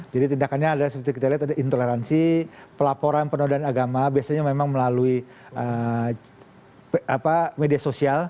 jadi tindakannya adalah seperti kita lihat ada intoleransi pelaporan penodaan agama biasanya memang melalui media sosial